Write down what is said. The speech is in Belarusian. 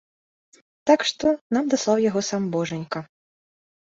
Так што, нам даслаў яго сам божанька.